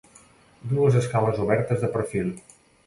Dues escales obertes de perfil.